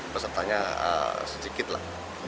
pesertanya sejikit lah